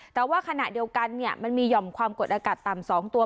แต่ว่าขณะเดียวกันมันมีหย่อมความกดอากาศต่ำ๒ตัว